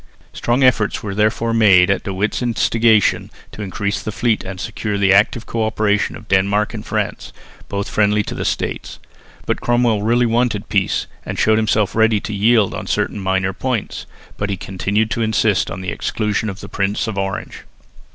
Strong efforts were therefore made at De Witt's instigation to increase the fleet and secure the active co operation of Denmark and France, both friendly to the States. But Cromwell really wanted peace and showed himself ready to yield on certain minor points, but he continued to insist on the exclusion of the Prince of Orange.